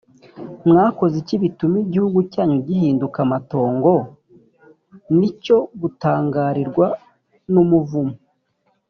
mwakoze iki bituma igihugu cyanyu gihinduka amatongo? ni icyo gutangarirwa n’ umuvumo.